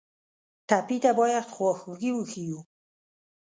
ټپي ته باید خواخوږي وښیو.